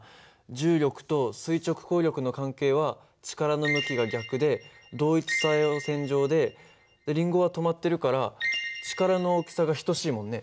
重力と垂直抗力の関係は力の向きが逆で同一作用線上でリンゴは止まってるから力の大きさが等しいもんね。